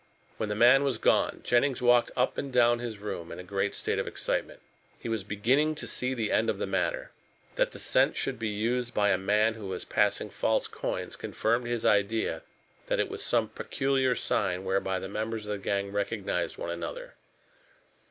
When the man was gone Jennings walked up and down his room in a great state of excitement. He was beginning to see the end of the matter. That the scent should be used by a man who was passing false coins confirmed his idea that it was some peculiar sign whereby the members of the gang recognized one another.